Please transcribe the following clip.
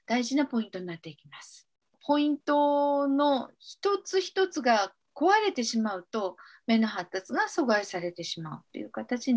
ポイントの一つ一つが壊れてしまうと目の発達が阻害されてしまうという形になります。